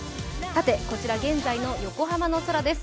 こちら、現在の横浜の空です。